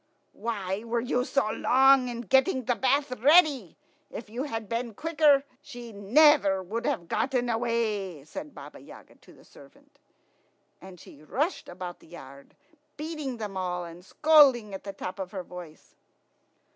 "Why were you so long in getting the bath ready? If you had been quicker, she never would have got away," said Baba Yaga to the servant. And she rushed about the yard, beating them all, and scolding at the top of her voice.